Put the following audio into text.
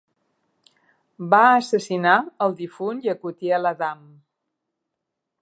Va assassinar el difunt Yekutiel Adam.